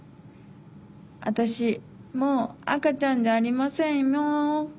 あたしもうあかちゃんじゃありませんよう。